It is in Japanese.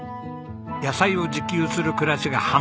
野菜を自給する暮らしが半分。